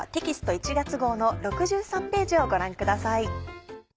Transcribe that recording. １月号の６３ページをご覧ください。